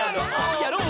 やろう！